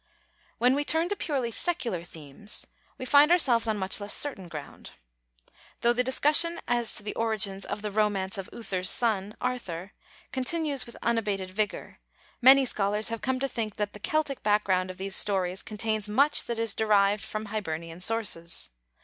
When we turn to purely secular themes, we find ourselves on much less certain ground. Though the discussion as to the origins of the "romance of Uther's son", Arthur, continues with unabated vigor, many scholars have come think that the Celtic background of these stories contains much that is derived from Hibernian sources.